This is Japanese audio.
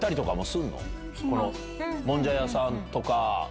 もんじゃ屋さんとか。